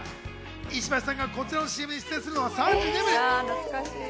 石橋さんがこちらのＣＭに出演するのは３２年ぶり。